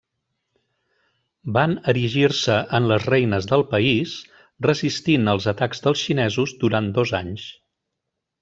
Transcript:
Van erigir-se en les reines del país, resistint els atacs dels xinesos durant dos anys.